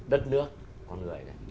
đất nước con người